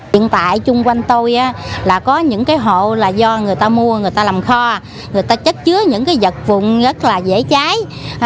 hiện tại chung quanh tôi là có những cái hộ là do người ta mua người ta làm kho người ta chất chứa những cái vật vụn rất là dễ cháy